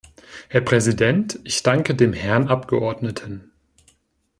Herr Präsident, ich danke dem Herrn Abgeordneten.